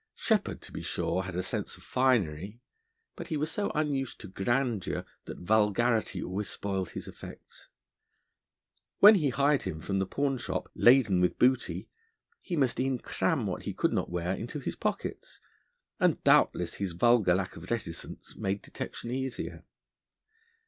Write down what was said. Sheppard, to be sure, had a sense of finery, but he was so unused to grandeur that vulgarity always spoiled his effects. When he hied him from the pawnshop, laden with booty, he must e'en cram what he could not wear into his pockets; and doubtless his vulgar lack of reticence made detection easier.